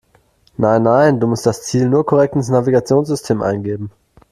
Nein, nein, du musst das Ziel nur korrekt ins Navigationssystem eingeben.